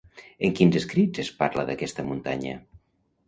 En quins escrits es parla d'aquesta muntanya?